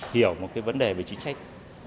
hiểu một vấn đề về chính sách